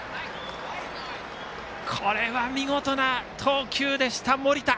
これは見事な投球でした、盛田。